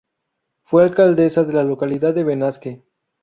Fue alcaldesa de la localidad de Benasque.